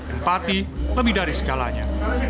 empati lebih dari segalanya